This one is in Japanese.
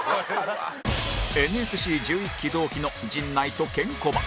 ＮＳＣ１１ 期同期の陣内とケンコバ